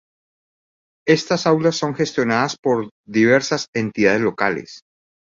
Estas aulas son gestionadas por diversas entidades locales.